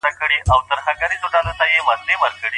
ولي له تحقيق پرته اقدام کول ناوړه پايلې لري؟